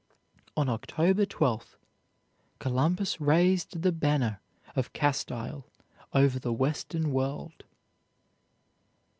On October 12, Columbus raised the banner of Castile over the western world.